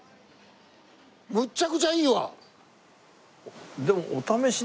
むちゃくちゃいいわ。